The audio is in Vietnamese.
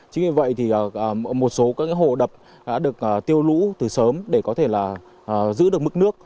chính vì vậy thì một số các hồ đập đã được tiêu lũ từ sớm để có thể là giữ được mức nước